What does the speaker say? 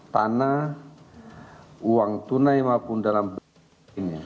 tanah uang tunai maupun dalam ini